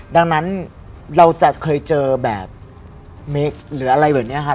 ดังนั้นเราจะเคยเจอแบบเมคหรืออะไรแบบนี้ครับ